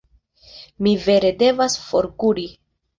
Mi vere devas forkuri.